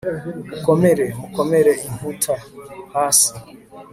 mukomere, mukomere inkuta, hasi